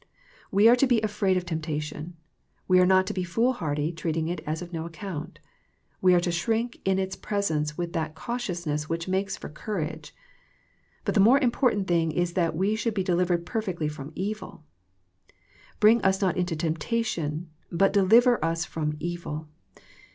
We are to be afraid of temp tation. We are not to be foolhardy, treating it as of no account. We are to shrink in its pres ence with that cautiousness which makes for courage. But the more important thing is that we should be delivered perfectly from evil. "Bring us not into temptation, but deliver us from evil."